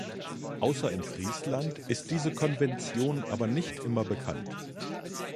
Außer in Friesland ist diese Konvention aber nicht immer bekannt.